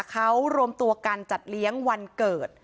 เขารวมตัวกันจัดเลี้ยงวันเกิด